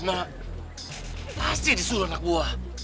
mak pasti disuruh anak buah